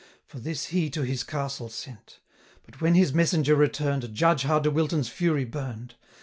For this he to his castle sent; But when his messenger return'd, Judge how De Wilton's fury burn'd!